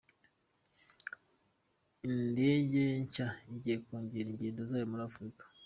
Indege nshya igiye kongera ingendo zayo muri Afurika